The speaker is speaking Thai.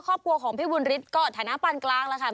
ครอบครัวของพี่บุญฤทธิ์ก็ฐานะปานกลางแล้วค่ะ